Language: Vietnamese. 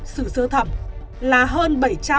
sự sơ thẩm là hơn